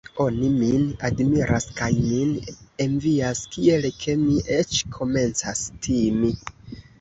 Oni min admiras kaj min envias, tiel ke mi eĉ komencas timi.